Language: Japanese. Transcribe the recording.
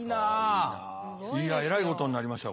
いやえらいことになりましたよ